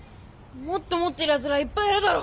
もっと持ってるヤツらいっぱいいるだろ。